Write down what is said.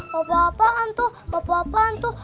papa apaan tuh papa apaan tuh